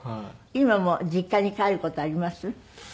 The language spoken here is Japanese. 今も実家に帰る事あります？